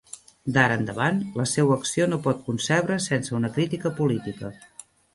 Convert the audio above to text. D'ara endavant la seua acció no pot concebre's sense una crítica política.